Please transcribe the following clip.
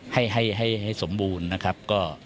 ให้ให้สมบูรณ์นะครับ